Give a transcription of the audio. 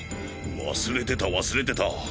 忘れてた忘れてた。